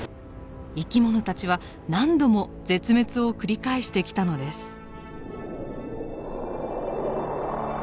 生き物たちは何度も絶滅を繰り返してきたのです。